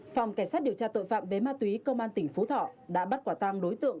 phòng cảnh sát điều tra tội phạm về ma túy công an tỉnh phú thọ đã bắt quả tang đối tượng